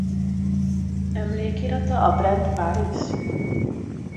Emlékirata a Brennt Paris?